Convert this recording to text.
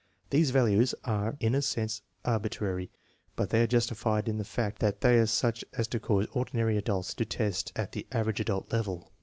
These values are hi a sense arbitrary, but they are justified in the fact that they are such as to cause ordinary adults to test at the "average adult'* level.